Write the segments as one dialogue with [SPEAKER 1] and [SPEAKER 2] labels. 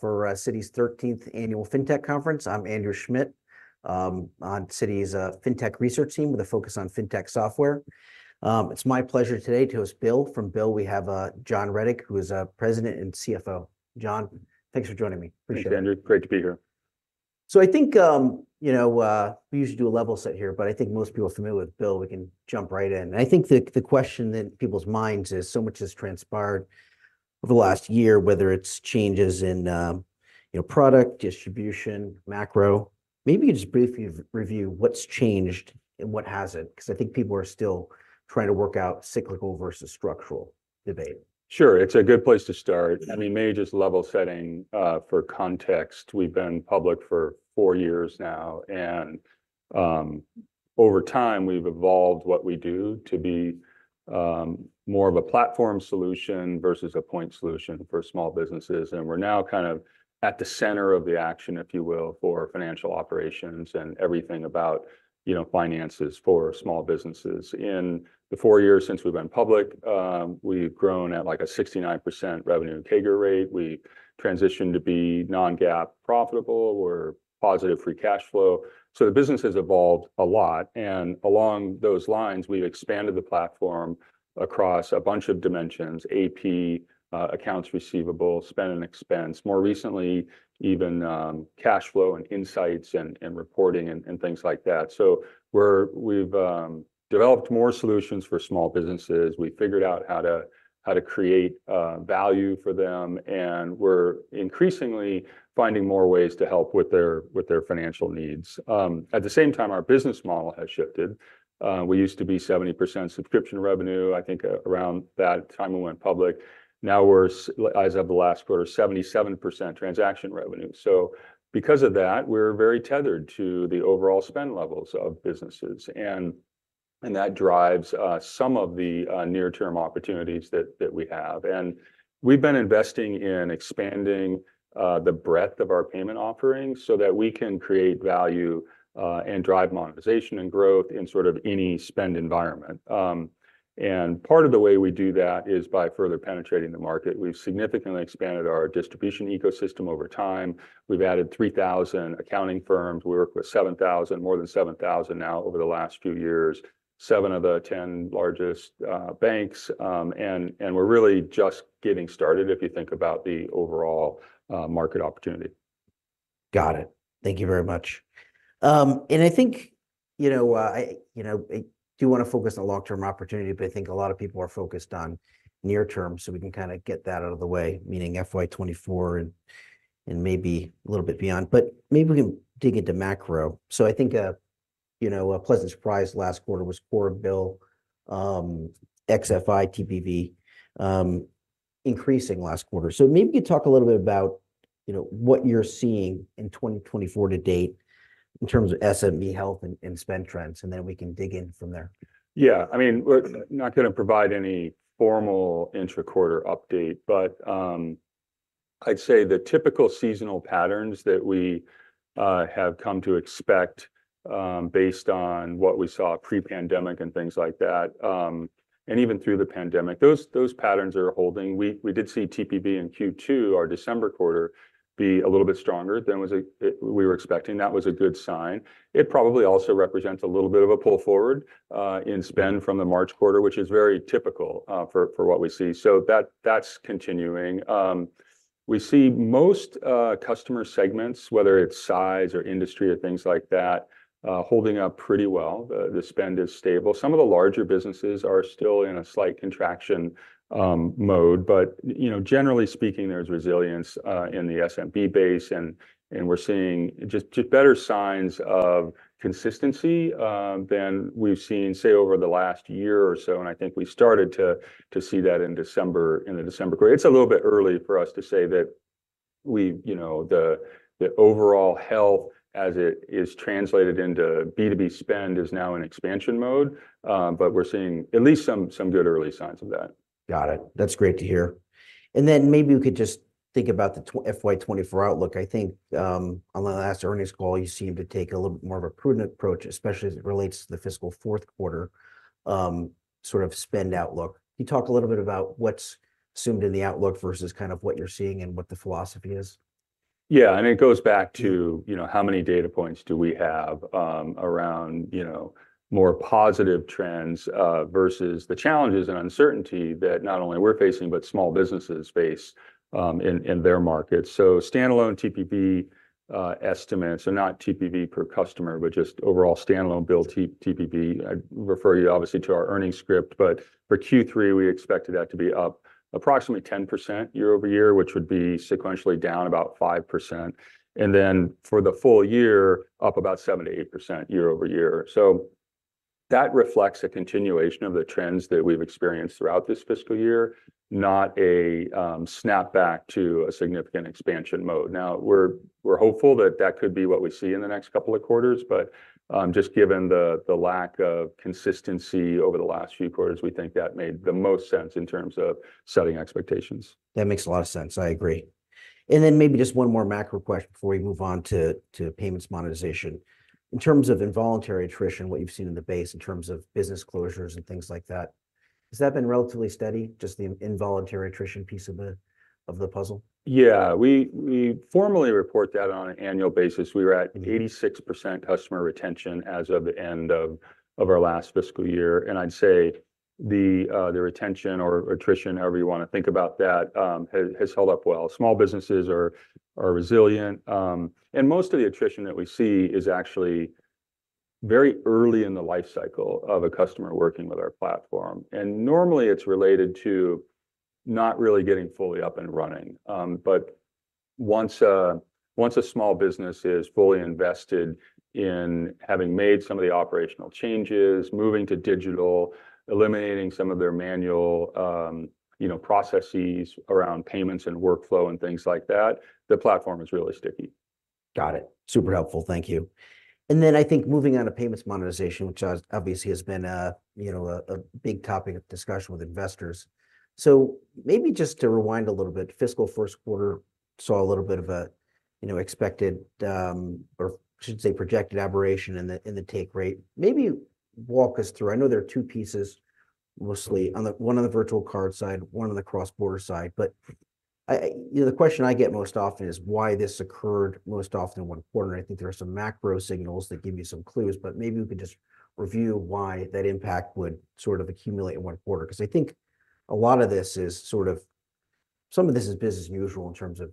[SPEAKER 1] for Citi's 13th annual Fintech conference. I'm Andrew Schmidt, on Citi's Fintech research team with a focus on fintech software. It's my pleasure today to host BILL. From BILL, we have John Rettig, who is our President and CFO. John, thanks for joining me. Appreciate it.
[SPEAKER 2] Thank you, Andrew. Great to be here.
[SPEAKER 1] So I think, you know, we usually do a level set here, but I think most people are familiar with BILL. We can jump right in. I think the question in people's minds is, so much has transpired over the last year, whether it's changes in, you know, product, distribution, macro. Maybe just briefly re-review what's changed and what hasn't, 'cause I think people are still trying to work out cyclical versus structural debate.
[SPEAKER 2] Sure, it's a good place to start.
[SPEAKER 1] Yeah.
[SPEAKER 2] I mean, maybe just level setting for context, we've been public for four years now, and over time we've evolved what we do to be more of a platform solution versus a point solution for small businesses, and we're now kind of at the center of the action, if you will, for financial operations and everything about, you know, finances for small businesses. In the four years since we've been public, we've grown at, like, a 69% revenue CAGR rate. We transitioned to be non-GAAP profitable. We're positive free cash flow. So the business has evolved a lot, and along those lines, we've expanded the platform across a bunch of dimensions: AP, accounts receivable, Spend & Expense. More recently, even cash flow and insights and reporting and things like that. So we've developed more solutions for small businesses. We've figured out how to create value for them, and we're increasingly finding more ways to help with their financial needs. At the same time, our business model has shifted. We used to be 70% subscription revenue, I think around that time we went public. Now we're as of the last quarter, 77% transaction revenue. So because of that, we're very tethered to the overall spend levels of businesses, and that drives some of the near-term opportunities that we have. We've been investing in expanding the breadth of our payment offerings so that we can create value and drive monetization and growth in sort of any spend environment. Part of the way we do that is by further penetrating the market. We've significantly expanded our distribution ecosystem over time. We've added 3,000 accounting firms. We work with 7,000, more than 7,000 now over the last two years, seven of the 10 largest banks. And we're really just getting started, if you think about the overall market opportunity.
[SPEAKER 1] Got it. Thank you very much. I think, you know, I do wanna focus on long-term opportunity, but I think a lot of people are focused on near term, so we can kinda get that out of the way, meaning FY 2024 and maybe a little bit beyond. But maybe we can dig into macro. So I think, you know, a pleasant surprise last quarter was for BILL, ex-FI TPV increasing last quarter. So maybe you could talk a little bit about, you know, what you're seeing in 2024 to date in terms of SMB health and spend trends, and then we can dig in from there.
[SPEAKER 2] Yeah. I mean, we're not gonna provide any formal intra-quarter update, but I'd say the typical seasonal patterns that we have come to expect, based on what we saw pre-pandemic and things like that, and even through the pandemic, those patterns are holding. We did see TPV in Q2, our December quarter, be a little bit stronger than we were expecting. That was a good sign. It probably also represents a little bit of a pull forward in spend from the March quarter, which is very typical for what we see. So that's continuing. We see most customer segments, whether it's size or industry or things like that, holding up pretty well. The spend is stable. Some of the larger businesses are still in a slight contraction mode, but, you know, generally speaking, there's resilience in the SMB base, and we're seeing just better signs of consistency than we've seen, say, over the last year or so, and I think we've started to see that in December, in the December quarter. It's a little bit early for us to say that we, you know, the overall health as it is translated into B2B spend is now in expansion mode, but we're seeing at least some good early signs of that.
[SPEAKER 1] Got it. That's great to hear. And then maybe we could just think about the FY 2024 outlook. I think, on the last earnings call, you seemed to take a little bit more of a prudent approach, especially as it relates to the fiscal fourth quarter, sort of spend outlook. Can you talk a little bit about what's assumed in the outlook versus kind of what you're seeing and what the philosophy is?
[SPEAKER 2] Yeah, and it goes back to, you know, how many data points do we have, around, you know, more positive trends, versus the challenges and uncertainty that not only we're facing, but small businesses face, in their markets. So standalone TPV estimates, so not TPV per customer, but just overall standalone BILL TPV, I'd refer you obviously to our earnings script, but for Q3, we expected that to be up approximately 10% year-over-year, which would be sequentially down about 5%. And then for the full year, up about 7%-8% year-over-year. So that reflects a continuation of the trends that we've experienced throughout this fiscal year, not a snap back to a significant expansion mode. Now, we're hopeful that could be what we see in the next couple of quarters, but just given the lack of consistency over the last few quarters, we think that made the most sense in terms of setting expectations.
[SPEAKER 1] That makes a lot of sense. I agree. And then maybe just one more macro question before we move on to payments monetization. In terms of involuntary attrition, what you've seen in the base in terms of business closures and things like that. Has that been relatively steady, just the involuntary attrition piece of the puzzle?
[SPEAKER 2] Yeah, we formally report that on an annual basis. We were at 86% customer retention as of the end of our last fiscal year, and I'd say the retention or attrition, however you wanna think about that, has held up well. Small businesses are resilient, and most of the attrition that we see is actually very early in the life cycle of a customer working with our platform, and normally it's related to not really getting fully up and running. But once a small business is fully invested in having made some of the operational changes, moving to digital, eliminating some of their manual, you know, processes around payments and workflow and things like that, the platform is really sticky.
[SPEAKER 1] Got it. Super helpful, thank you. And then I think moving on to payments monetization, which obviously has been a, you know, big topic of discussion with investors. So maybe just to rewind a little bit, fiscal first quarter saw a little bit of a, you know, expected, or should say, projected aberration in the take rate. Maybe walk us through. I know there are two pieces, mostly on the one on the virtual card side, one on the cross-border side. But you know, the question I get most often is why this occurred most often in one quarter, and I think there are some macro signals that give you some clues, but maybe you could just review why that impact would sort of accumulate in one quarter. 'Cause I think a lot of this is sort of... Some of this is business as usual in terms of,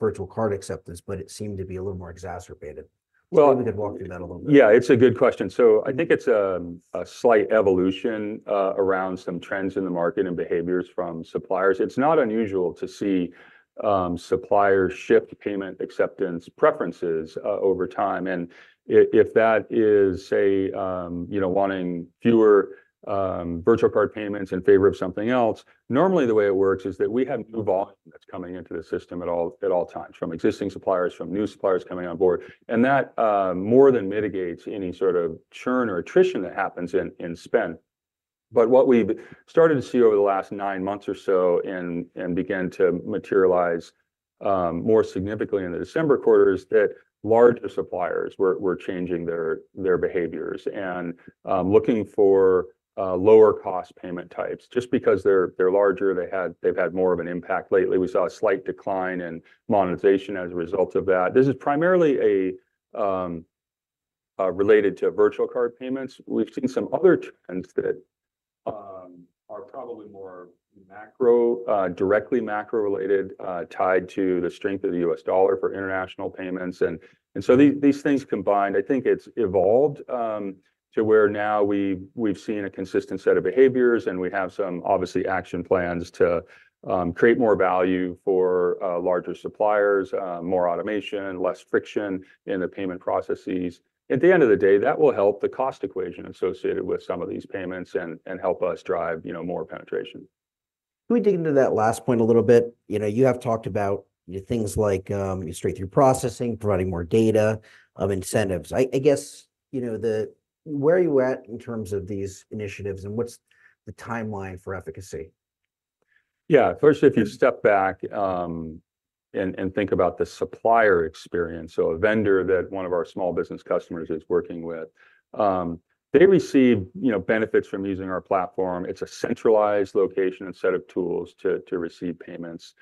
[SPEAKER 1] virtual card acceptance, but it seemed to be a little more exacerbated.
[SPEAKER 2] Well-
[SPEAKER 1] If you could walk through that a little bit.
[SPEAKER 2] Yeah, it's a good question. So I think it's a slight evolution around some trends in the market and behaviors from suppliers. It's not unusual to see suppliers shift payment acceptance preferences over time, and if that is, say, you know, wanting fewer virtual card payments in favor of something else, normally the way it works is that we have new volume that's coming into the system at all times, from existing suppliers, from new suppliers coming on board. And that more than mitigates any sort of churn or attrition that happens in spend. But what we've started to see over the last nine months or so, and began to materialize more significantly in the December quarter, is that larger suppliers were changing their behaviors and looking for lower-cost payment types. Just because they're larger, they've had more of an impact lately. We saw a slight decline in monetization as a result of that. This is primarily related to virtual card payments. We've seen some other trends that are probably more directly macro-related, tied to the strength of the U.S. dollar for international payments. And so these things combined, I think it's evolved to where now we've seen a consistent set of behaviors, and we have some obviously action plans to create more value for larger suppliers, more automation, less friction in the payment processes. At the end of the day, that will help the cost equation associated with some of these payments and help us drive, you know, more penetration.
[SPEAKER 1] Can we dig into that last point a little bit? You know, you have talked about things like, straight-through processing, providing more data, of incentives. I guess, you know, where are you at in terms of these initiatives, and what's the timeline for efficacy?
[SPEAKER 2] Yeah. First, if you step back, and think about the supplier experience, so a vendor that one of our small business customers is working with, they receive, you know, benefits from using our platform. It's a centralized location and set of tools to receive payments.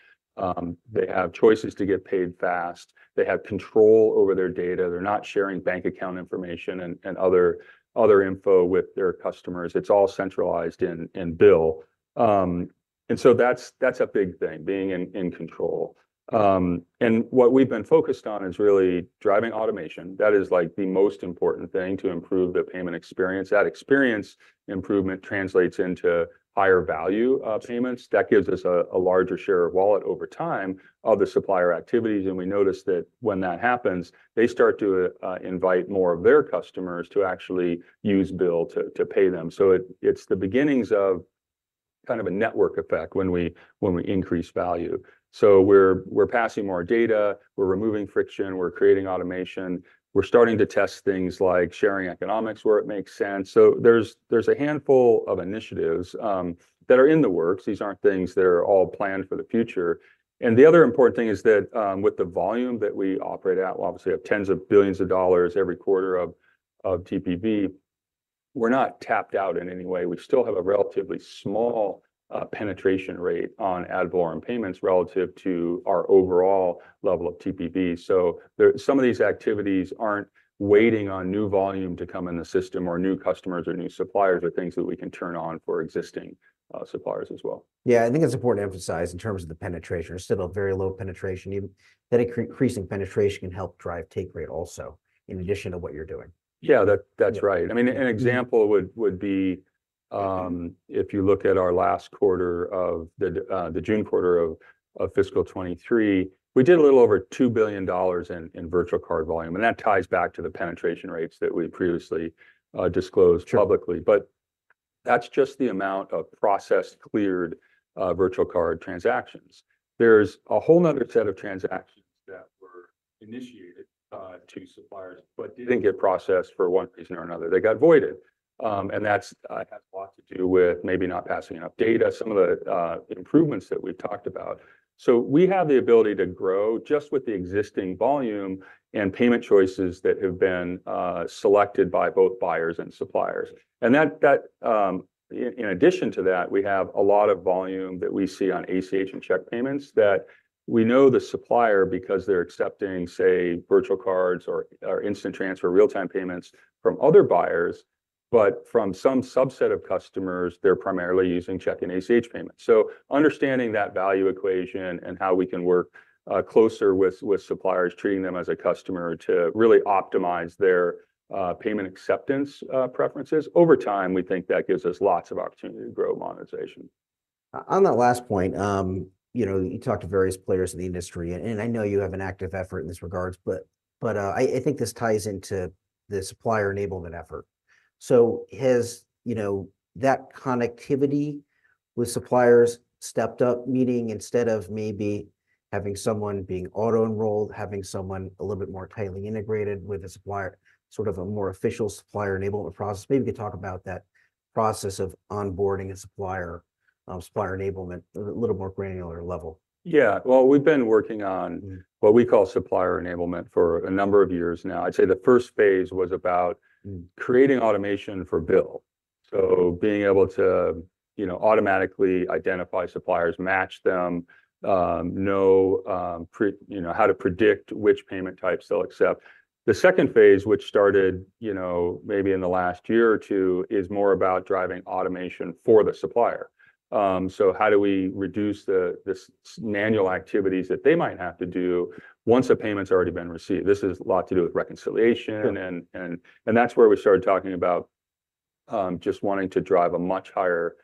[SPEAKER 2] They have choices to get paid fast. They have control over their data. They're not sharing bank account information and other info with their customers. It's all centralized in BILL. And so that's a big thing, being in control. And what we've been focused on is really driving automation. That is, like, the most important thing to improve the payment experience. That experience improvement translates into higher value payments. That gives us a larger share of wallet over time of the supplier activities, and we notice that when that happens, they start to invite more of their customers to actually use BILL to pay them. So it's the beginnings of kind of a network effect when we increase value. So we're passing more data, we're removing friction, we're creating automation, we're starting to test things like sharing economics where it makes sense. So there's a handful of initiatives that are in the works. These aren't things that are all planned for the future. And the other important thing is that with the volume that we operate at, we obviously have tens of billions of dollars every quarter of TPV, we're not tapped out in any way. We still have a relatively small penetration rate on ad valorem payments relative to our overall level of TPV. So some of these activities aren't waiting on new volume to come in the system, or new customers, or new suppliers, or things that we can turn on for existing suppliers as well.
[SPEAKER 1] Yeah, I think it's important to emphasize in terms of the penetration, it's still a very low penetration. Even that increasing penetration can help drive take rate also, in addition to what you're doing.
[SPEAKER 2] Yeah, that's right.
[SPEAKER 1] Yeah.
[SPEAKER 2] I mean, an example would be, if you look at our last quarter of the, the June quarter of fiscal 2023, we did a little over $2 billion in virtual card volume, and that ties back to the penetration rates that we previously disclosed-
[SPEAKER 1] Sure...
[SPEAKER 2] publicly. But that's just the amount of processed, cleared virtual card transactions. There's a whole another set of transactions that initiated to suppliers, but didn't get processed for one reason or another. They got voided. And that has a lot to do with maybe not passing enough data, some of the improvements that we've talked about. So we have the ability to grow just with the existing volume and payment choices that have been selected by both buyers and suppliers. And that, in addition to that, we have a lot of volume that we see on ACH and check payments that we know the supplier because they're accepting, say, virtual cards or Instant Transfer real-time payments from other buyers, but from some subset of customers, they're primarily using check and ACH payments. So understanding that value equation and how we can work closer with suppliers, treating them as a customer to really optimize their payment acceptance preferences over time, we think that gives us lots of opportunity to grow monetization.
[SPEAKER 1] On that last point, you know, you talked to various players in the industry, and I know you have an active effort in this regards, but I think this ties into the supplier enablement effort. So has, you know, that connectivity with suppliers stepped up, meaning instead of maybe having someone being auto-enrolled, having someone a little bit more tightly integrated with the supplier, sort of a more official supplier enablement process? Maybe you could talk about that process of onboarding a supplier, supplier enablement, a little more granular level.
[SPEAKER 2] Yeah. Well, we've been working on-
[SPEAKER 1] Mm...
[SPEAKER 2] what we call supplier enablement for a number of years now. I'd say the first phase was about-
[SPEAKER 1] Mm
[SPEAKER 2] creating automation for BILL. So being able to, you know, automatically identify suppliers, match them, know you know, how to predict which payment types they'll accept. The second phase, which started, you know, maybe in the last year or two, is more about driving automation for the supplier. So how do we reduce this manual activities that they might have to do once a payment's already been received? This is a lot to do with reconciliation-
[SPEAKER 1] Sure...
[SPEAKER 2] and that's where we started talking about just wanting to drive a much higher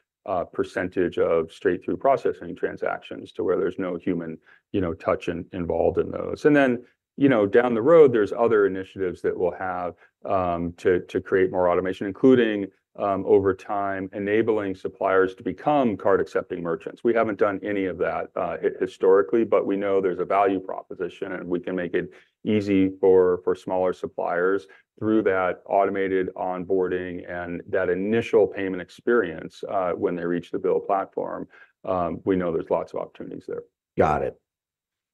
[SPEAKER 2] percentage of straight-through processing transactions to where there's no human, you know, touch involved in those. And then, you know, down the road, there's other initiatives that we'll have to create more automation, including over time, enabling suppliers to become card-accepting merchants. We haven't done any of that historically, but we know there's a value proposition, and we can make it easy for smaller suppliers through that automated onboarding and that initial payment experience when they reach the BILL platform. We know there's lots of opportunities there.
[SPEAKER 1] Got it.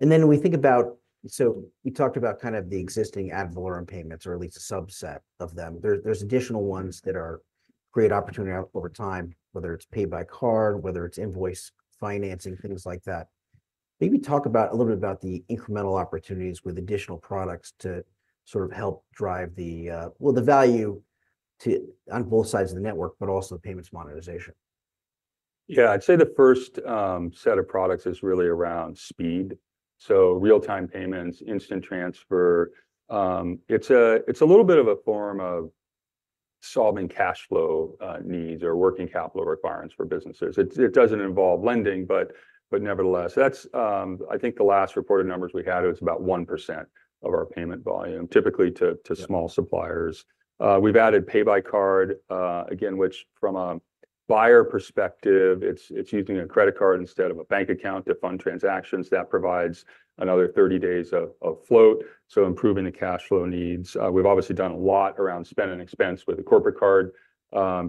[SPEAKER 1] And then we think about... So you talked about kind of the existing Ad Valorem payments, or at least a subset of them. There's additional ones that are great opportunity out over time, whether it's Pay By Card, whether it's Invoice Financing, things like that. Maybe talk about a little bit about the incremental opportunities with additional products to sort of help drive the, well, the value to on both sides of the network, but also the payments monetization.
[SPEAKER 2] Yeah, I'd say the first set of products is really around speed, so real-time payments, Instant Transfer. It's a little bit of a form of solving cash flow needs or working capital requirements for businesses. It doesn't involve lending, but nevertheless, that's, I think the last reported numbers we had, it was about 1% of our payment volume, typically to-
[SPEAKER 1] Yeah...
[SPEAKER 2] to small suppliers. We've added Pay By Card again, which from a buyer perspective, it's using a credit card instead of a bank account to fund transactions. That provides another 30 days of float, so improving the cash flow needs. We've obviously done a lot around Spend & Expense with the corporate card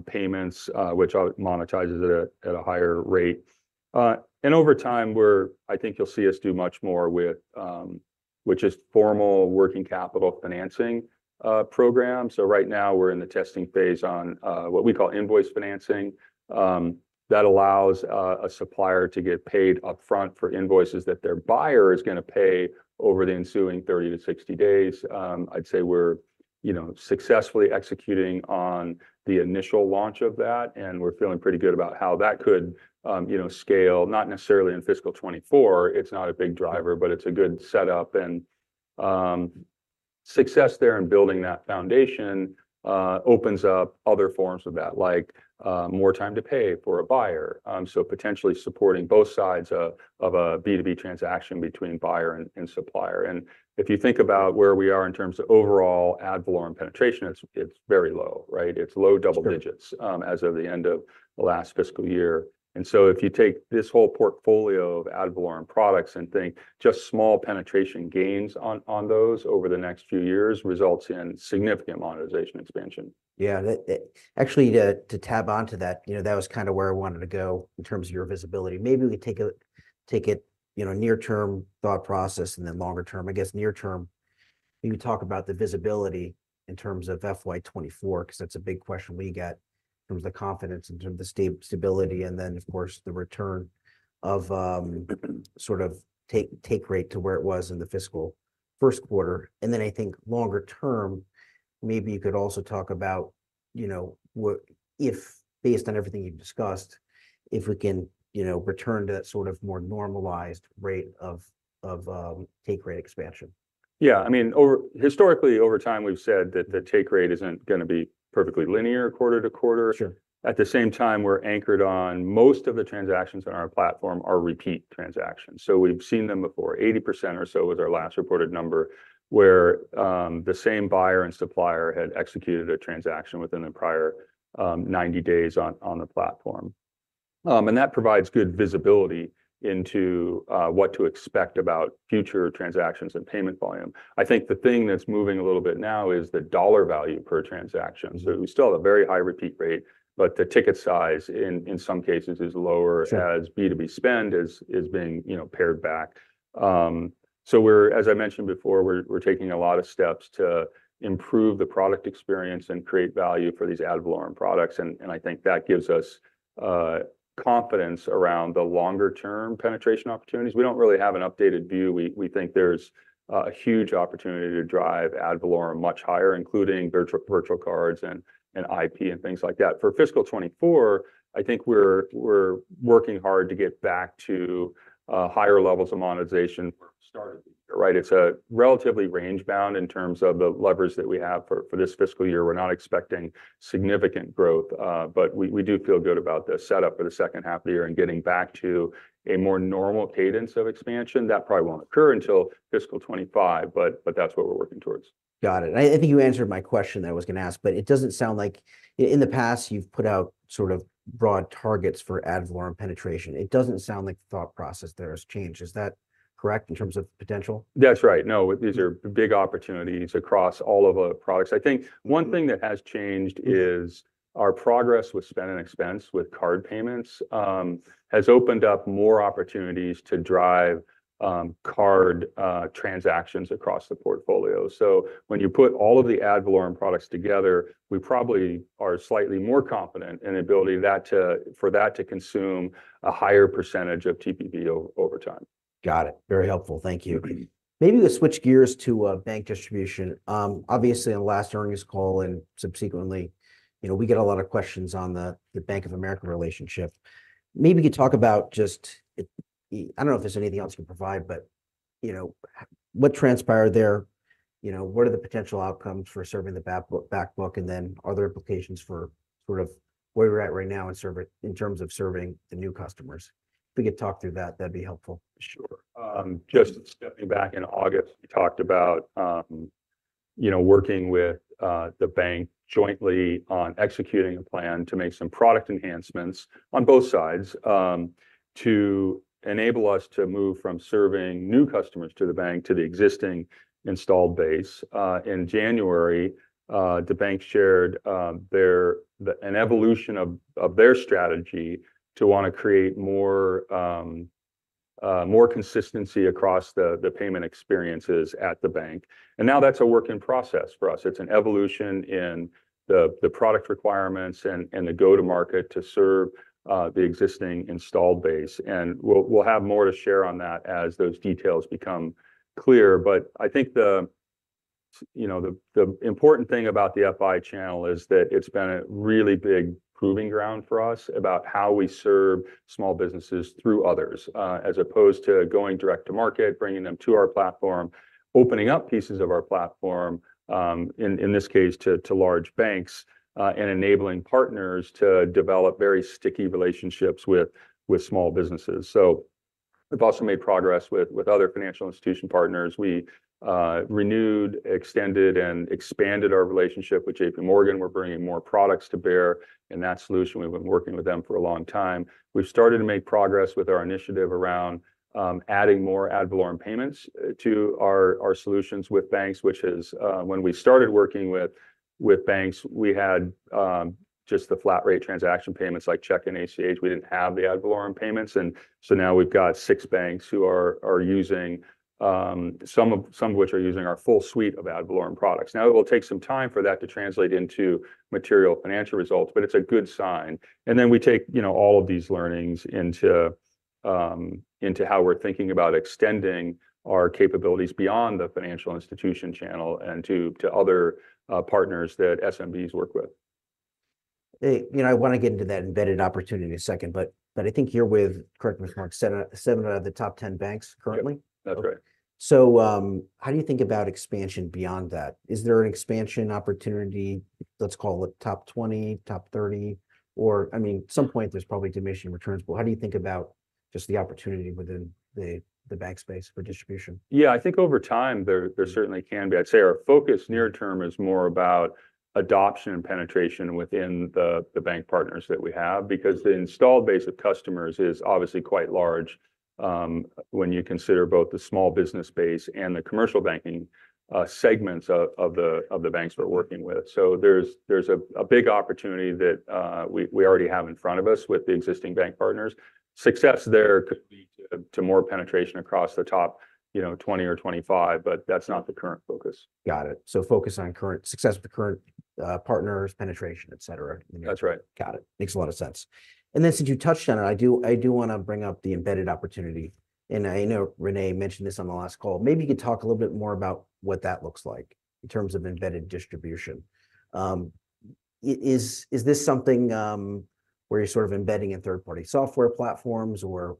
[SPEAKER 2] payments, which monetizes it at a higher rate. And over time, we're, I think you'll see us do much more with which is formal working capital financing program. So right now we're in the testing phase on what we call Invoice Financing. That allows a supplier to get paid upfront for invoices that their buyer is gonna pay over the ensuing 30-60 days. I'd say we're, you know, successfully executing on the initial launch of that, and we're feeling pretty good about how that could, you know, scale, not necessarily in fiscal 2024. It's not a big driver, but it's a good setup. And success there in building that foundation opens up other forms of that, like more time to pay for a buyer. So potentially supporting both sides of a B2B transaction between buyer and supplier. And if you think about where we are in terms of overall Ad Valorem penetration, it's very low, right? It's low double digits-
[SPEAKER 1] Sure...
[SPEAKER 2] as of the end of the last fiscal year. And so if you take this whole portfolio of Ad Valorem products and think just small penetration gains on those over the next few years, results in significant monetization expansion.
[SPEAKER 1] Yeah. Actually, to tag onto that, you know, that was kind of where I wanted to go in terms of your visibility. Maybe we take it, you know, near-term thought process and then longer-term. I guess near-term, you talk about the visibility in terms of FY 2024, 'cause that's a big question we get in terms of the confidence, in terms of the stability, and then, of course, the return of sort of take rate to where it was in the fiscal first quarter. And then I think longer term, maybe you could also talk about, you know, what, if based on everything you've discussed, if we can, you know, return to that sort of more normalized rate of take rate expansion.
[SPEAKER 2] Yeah. I mean, historically, over time, we've said that the take rate isn't gonna be perfectly linear quarter to quarter.
[SPEAKER 1] Sure.
[SPEAKER 2] At the same time, we're anchored on most of the transactions on our platform are repeat transactions, so we've seen them before. 80% or so was our last reported number, where the same buyer and supplier had executed a transaction within the prior 90 days on the platform, and that provides good visibility into what to expect about future transactions and payment volume. I think the thing that's moving a little bit now is the dollar value per transaction. So we still have a very high repeat rate, but the ticket size in some cases is lower-
[SPEAKER 1] Sure...
[SPEAKER 2] as B2B spend is being, you know, pared back. So we're, as I mentioned before, we're taking a lot of steps to improve the product experience and create value for these Ad Valorem products, and I think that gives us confidence around the longer-term penetration opportunities. We don't really have an updated view. We think there's a huge opportunity to drive Ad Valorem much higher, including virtual cards and AP, and things like that. For fiscal 2024, I think we're working hard to get back to higher levels of monetization where we started, right? It's relatively range-bound in terms of the levers that we have for this fiscal year. We're not expecting significant growth, but we do feel good about the setup for the second half of the year and getting back to a more normal cadence of expansion. That probably won't occur until fiscal 2025, but that's what we're working towards.
[SPEAKER 1] Got it. I think you answered my question that I was gonna ask, but it doesn't sound like... In the past, you've put out sort of broad targets for Ad Valorem penetration. It doesn't sound like the thought process there has changed. Is that correct in terms of potential?
[SPEAKER 2] That's right. No, these are big opportunities across all of our products. I think one thing that has changed is our progress with Spend & Expense with card payments has opened up more opportunities to drive card transactions across the portfolio. So when you put all of the Ad Valorem products together, we probably are slightly more confident in the ability of that to... for that to consume a higher percentage of TPV over time.
[SPEAKER 1] Got it. Very helpful, thank you. Maybe let's switch gears to bank distribution. Obviously, on the last earnings call and subsequently, you know, we get a lot of questions on the Bank of America relationship. Maybe you could talk about just it. I don't know if there's anything else you can provide, but, you know, what transpired there? You know, what are the potential outcomes for serving the backbook, and then are there implications for sort of where we're at right now in serving the new customers? If we could talk through that, that'd be helpful.
[SPEAKER 2] Sure. Just stepping back in August, we talked about, you know, working with the bank jointly on executing a plan to make some product enhancements on both sides, to enable us to move from serving new customers to the bank to the existing installed base. In January, the bank shared an evolution of their strategy to wanna create more consistency across the payment experiences at the bank, and now that's a work in process for us. It's an evolution in the product requirements and the go-to-market to serve the existing installed base, and we'll have more to share on that as those details become clear. But I think you know, the important thing about the FI channel is that it's been a really big proving ground for us about how we serve small businesses through others, as opposed to going direct-to-market, bringing them to our platform, opening up pieces of our platform, in this case, to large banks, and enabling partners to develop very sticky relationships with small businesses. So we've also made progress with other financial institution partners. We renewed, extended, and expanded our relationship with JPMorgan. We're bringing more products to bear in that solution. We've been working with them for a long time. We've started to make progress with our initiative around adding more Ad Valorem payments to our solutions with banks, which is when we started working with banks, we had just the flat rate transaction payments, like check and ACH. We didn't have the Ad Valorem payments, and so now we've got six banks who are using some of, some of which are using our full suite of Ad Valorem products. Now, it will take some time for that to translate into material financial results, but it's a good sign. And then we take, you know, all of these learnings into how we're thinking about extending our capabilities beyond the financial institution channel and to other partners that SMBs work with.
[SPEAKER 1] Hey, you know, I wanna get into that embedded opportunity in a second, but, but I think you're with, correct me if I'm wrong, seven, seven out of the top 10 banks currently?
[SPEAKER 2] Yep, that's right.
[SPEAKER 1] How do you think about expansion beyond that? Is there an expansion opportunity, let's call it top 20, top 30, or, I mean, at some point, there's probably diminishing returns, but how do you think about just the opportunity within the bank space for distribution?
[SPEAKER 2] Yeah, I think over time, there certainly can be. I'd say our focus near term is more about adoption and penetration within the bank partners that we have, because the installed base of customers is obviously quite large, when you consider both the small business base and the commercial banking segments of the banks we're working with. So there's a big opportunity that we already have in front of us with the existing bank partners. Success there could lead to more penetration across the top, you know, 20 or 25, but that's not the current focus.
[SPEAKER 1] Got it. So focus on current... success with the current, partners, penetration, et cetera.
[SPEAKER 2] That's right.
[SPEAKER 1] Got it. Makes a lot of sense. And then since you touched on it, I do, I do wanna bring up the embedded opportunity, and I know René mentioned this on the last call. Maybe you could talk a little bit more about what that looks like in terms of embedded distribution. Is this something where you're sort of embedding a third-party software platforms, or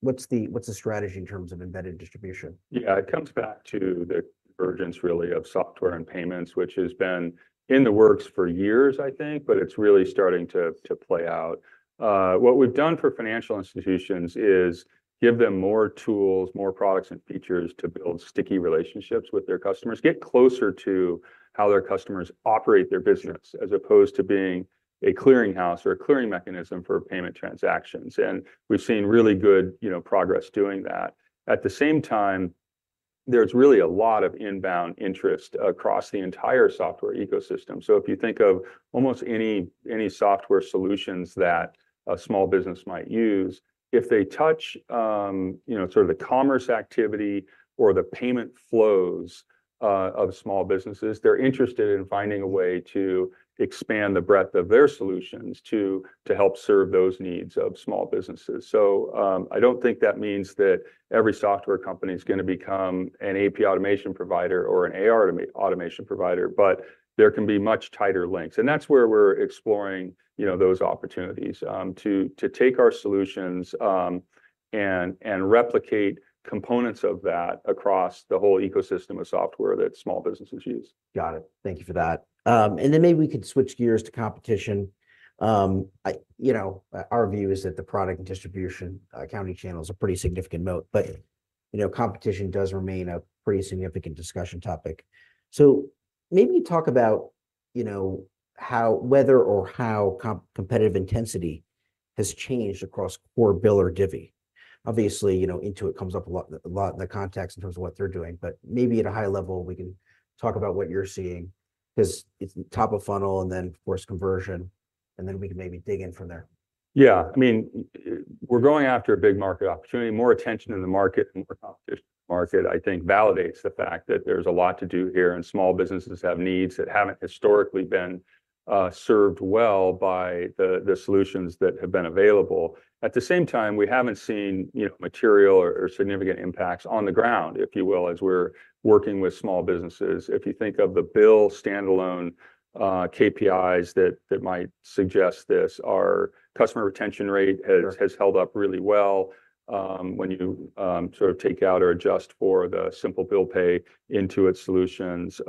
[SPEAKER 1] what's the strategy in terms of embedded distribution?
[SPEAKER 2] Yeah, it comes back to the convergence, really, of software and payments, which has been in the works for years, I think, but it's really starting to, to play out. What we've done for financial institutions is give them more tools, more products and features to build sticky relationships with their customers, get closer to how their customers operate their business-
[SPEAKER 1] Sure...
[SPEAKER 2] as opposed to being a clearing house or a clearing mechanism for payment transactions, and we've seen really good, you know, progress doing that. At the same time, there's really a lot of inbound interest across the entire software ecosystem. So if you think of almost any software solutions that a small business might use, if they touch, you know, sort of the commerce activity or the payment flows of small businesses, they're interested in finding a way to expand the breadth of their solutions to help serve those needs of small businesses. So, I don't think that means that every software company's gonna become an AP automation provider or an AR automation provider, but there can be much tighter links. That's where we're exploring, you know, those opportunities to take our solutions and replicate components of that across the whole ecosystem of software that small businesses use.
[SPEAKER 1] Got it. Thank you for that. And then maybe we could switch gears to competition. You know, our view is that the product and distribution accounting channel is a pretty significant moat, but, you know, competition does remain a pretty significant discussion topic. So maybe talk about, you know, how whether or how competitive intensity has changed across core BILL or Divvy. Obviously, you know, Intuit comes up a lot, a lot in the context in terms of what they're doing, but maybe at a high level, we can talk about what you're seeing, 'cause it's top of funnel, and then, of course, conversion, and then we can maybe dig in from there.
[SPEAKER 2] Yeah, I mean, we're going after a big market opportunity. More attention in the market and more competition market, I think, validates the fact that there's a lot to do here, and small businesses have needs that haven't historically been served well by the solutions that have been available. At the same time, we haven't seen, you know, material or significant impacts on the ground, if you will, as we're working with small businesses. If you think of the BILL standalone KPIs that might suggest this, our customer retention rate-
[SPEAKER 1] Sure...
[SPEAKER 2] has, has held up really well, when you sort of take out or adjust for the simple bill pay Intuit solutions.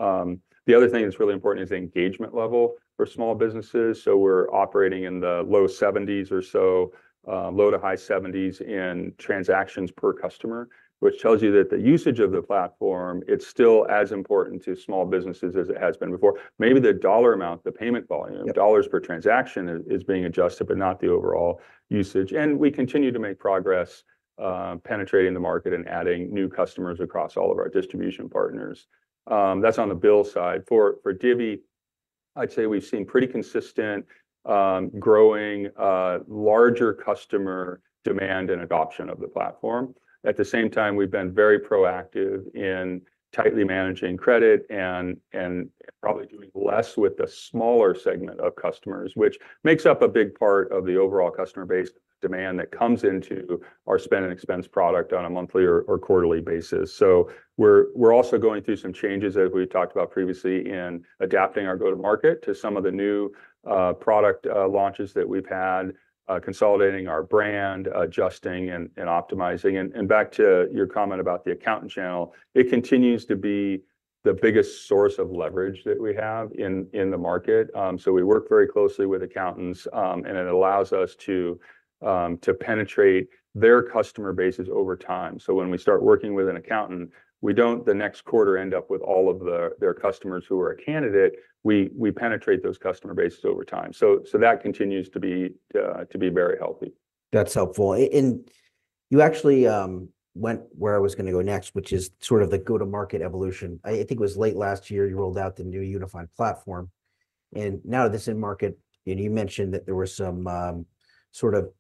[SPEAKER 2] The other thing that's really important is the engagement level for small businesses, so we're operating in the low 70s or so, low to high 70s in transactions per customer, which tells you that the usage of the platform, it's still as important to small businesses as it has been before. Maybe the dollar amount, the payment volume-
[SPEAKER 1] Yep...
[SPEAKER 2] dollars per transaction is being adjusted, but not the overall usage. And we continue to make progress, penetrating the market and adding new customers across all of our distribution partners. That's on the BILL side. For Divvy, I'd say we've seen pretty consistent, growing, larger customer demand and adoption of the platform. At the same time, we've been very proactive in tightly managing credit and probably doing less with the smaller segment of customers, which makes up a big part of the overall customer base demand that comes into our Spend & Expense product on a monthly or quarterly basis. So we're also going through some changes, as we've talked about previously, in adapting our go-to-market to some of the new product launches that we've had, consolidating our brand, adjusting, and optimizing. Back to your comment about the accountant channel, it continues to be the biggest source of leverage that we have in the market. So we work very closely with accountants, and it allows us to penetrate their customer bases over time. So when we start working with an accountant, we don't, the next quarter, end up with all of their customers who are a candidate. We penetrate those customer bases over time. So that continues to be very healthy.
[SPEAKER 1] That's helpful. And you actually went where I was gonna go next, which is sort of the go-to-market evolution. I think it was late last year, you rolled out the new unified platform, and now that it's in market, and you mentioned that there were some sort of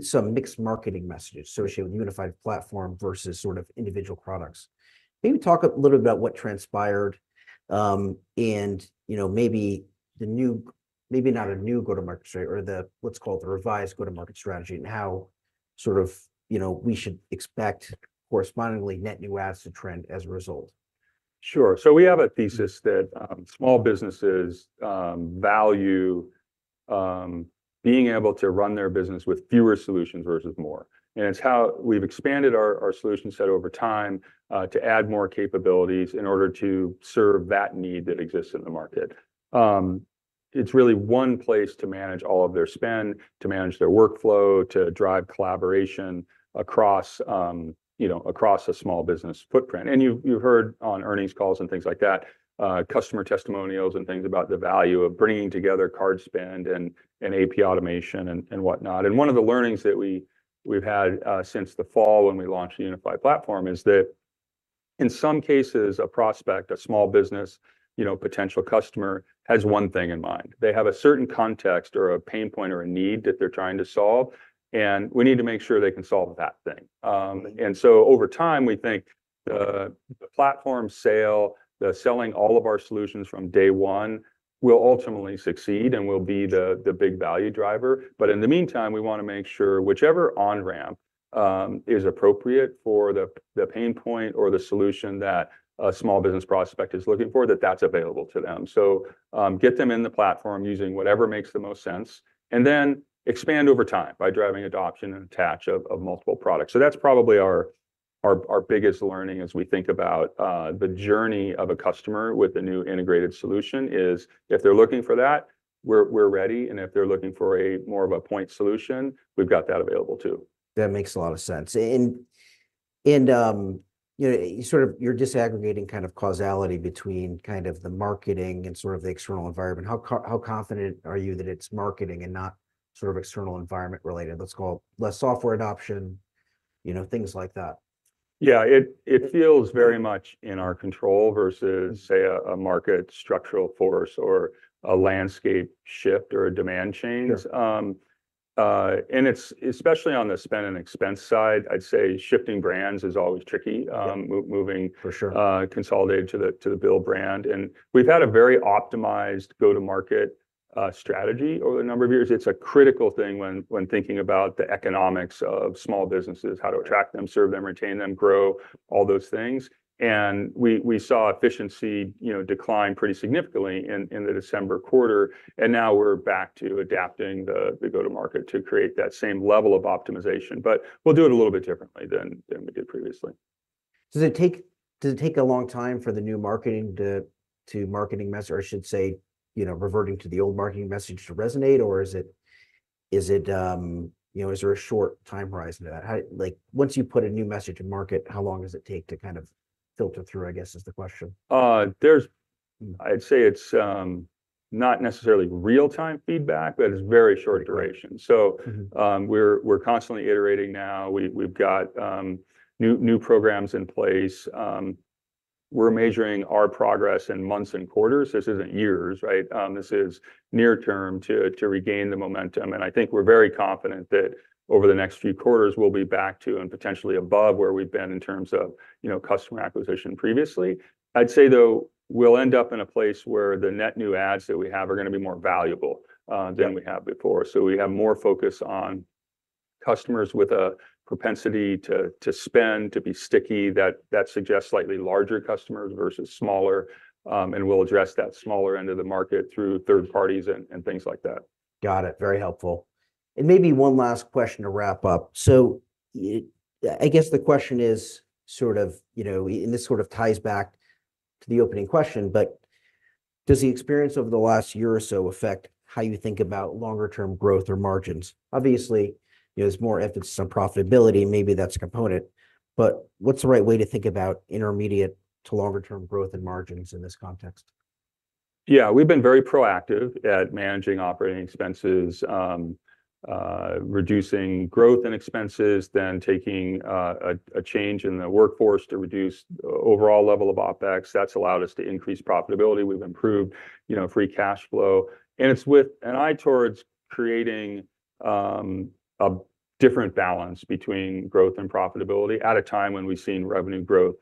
[SPEAKER 1] some mixed marketing messages associated with unified platform versus sort of individual products. Maybe talk a little about what transpired, and, you know, maybe the new- maybe not a new go-to-market strategy, or the, let's call it the revised go-to-market strategy, and how sort of, you know, we should expect correspondingly net new asset trend as a result.
[SPEAKER 2] Sure. So we have a thesis that small businesses value being able to run their business with fewer solutions versus more. And it's how we've expanded our solution set over time to add more capabilities in order to serve that need that exists in the market. It's really one place to manage all of their spend, to manage their workflow, to drive collaboration across you know, across a small business footprint. And you heard on earnings calls and things like that customer testimonials and things about the value of bringing together card spend and AP automation and whatnot. And one of the learnings that we've had since the fall when we launched the unified platform is that in some cases, a prospect, a small business, you know, potential customer, has one thing in mind. They have a certain context or a pain point or a need that they're trying to solve, and we need to make sure they can solve that thing. And so over time, we think the platform sale, the selling all of our solutions from day one, will ultimately succeed and will be the big value driver. But in the meantime, we wanna make sure whichever on-ramp is appropriate for the pain point or the solution that a small business prospect is looking for, that that's available to them. So, get them in the platform using whatever makes the most sense, and then expand over time by driving adoption and attach of multiple products. So that's probably our biggest learning as we think about the journey of a customer with the new integrated solution, is if they're looking for that, we're ready, and if they're looking for more of a point solution, we've got that available too.
[SPEAKER 1] That makes a lot of sense. You know, you sort of, you're disaggregating kind of causality between kind of the marketing and sort of the external environment. How confident are you that it's marketing and not sort of external environment related, let's call it, less software adoption, you know, things like that.
[SPEAKER 2] Yeah, it feels very much in our control versus, say, a market structural force or a landscape shift or a demand change.
[SPEAKER 1] Yeah.
[SPEAKER 2] It's especially on the Spend & Expense side, I'd say shifting brands is always tricky.
[SPEAKER 1] Yeah.
[SPEAKER 2] Moving-
[SPEAKER 1] For sure.
[SPEAKER 2] Consolidating to the BILL brand, and we've had a very optimized go-to-market strategy over a number of years. It's a critical thing when thinking about the economics of small businesses, how to attract them-
[SPEAKER 1] Right...
[SPEAKER 2] serve them, retain them, grow, all those things. And we saw efficiency, you know, decline pretty significantly in the December quarter, and now we're back to adapting the go-to-market to create that same level of optimization. But we'll do it a little bit differently than we did previously.
[SPEAKER 1] Does it take a long time for the new marketing, or I should say, you know, reverting to the old marketing message to resonate? Or is it, you know, is there a short time horizon to that? Like, once you put a new message in market, how long does it take to kind of filter through, I guess, is the question?
[SPEAKER 2] There's... I'd say it's not necessarily real-time feedback, but it's very short duration.
[SPEAKER 1] Mm-hmm.
[SPEAKER 2] So, we're constantly iterating now. We've got new programs in place. We're measuring our progress in months and quarters. This isn't years, right? This is near-term to regain the momentum, and I think we're very confident that over the next few quarters we'll be back to and potentially above where we've been in terms of, you know, customer acquisition previously. I'd say, though, we'll end up in a place where the net new adds that we have are gonna be more valuable.
[SPEAKER 1] Yeah...
[SPEAKER 2] than we have before. So we have more focus on customers with a propensity to spend, to be sticky, that suggests slightly larger customers versus smaller. And we'll address that smaller end of the market through third parties and things like that.
[SPEAKER 1] Got it. Very helpful. And maybe one last question to wrap up. So, it, I guess the question is sort of, you know, and this sort of ties back to the opening question, but does the experience over the last year or so affect how you think about longer term growth or margins? Obviously, you know, there's more emphasis on profitability, and maybe that's a component. But what's the right way to think about intermediate to longer term growth and margins in this context?
[SPEAKER 2] Yeah, we've been very proactive at managing operating expenses, reducing growth and expenses, then taking a change in the workforce to reduce overall level of OpEx. That's allowed us to increase profitability. We've improved, you know, free cash flow, and it's with an eye towards creating a different balance between growth and profitability at a time when we've seen revenue growth,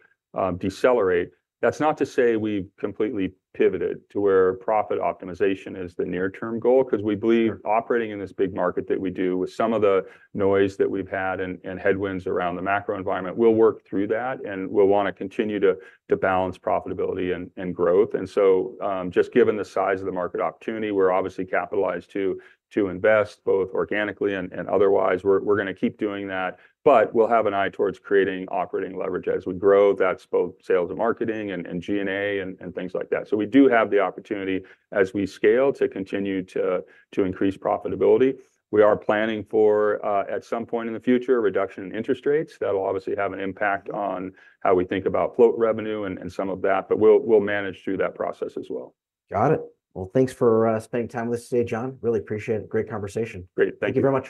[SPEAKER 2] decelerate. That's not to say we've completely pivoted to where profit optimization is the near-term goal-
[SPEAKER 1] Sure...
[SPEAKER 2] 'cause we believe operating in this big market that we do, with some of the noise that we've had and, and headwinds around the macro environment, we'll work through that, and we'll wanna continue to, to balance profitability and, and growth. And so, just given the size of the market opportunity, we're obviously capitalized to, to invest, both organically and, and otherwise. We're, we're gonna keep doing that, but we'll have an eye towards creating operating leverage as we grow. That's both sales and marketing, and, and G&A and, and things like that. So we do have the opportunity as we scale to continue to, to increase profitability. We are planning for, at some point in the future, a reduction in interest rates. That'll obviously have an impact on how we think about float revenue and some of that, but we'll manage through that process as well.
[SPEAKER 1] Got it. Well, thanks for spending time with us today, John. Really appreciate it. Great conversation!
[SPEAKER 2] Great. Thank you.
[SPEAKER 1] Thank you very much.